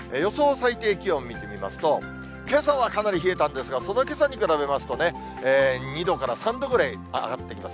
最低気温見てみますと、けさはかなり冷えたんですが、そのけさに比べますとね、２度から３度ぐらい上がってきます。